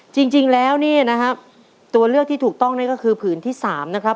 จริงแล้วนี่นะครับตัวเลือกที่ถูกต้องนั่นก็คือผืนที่๓นะครับ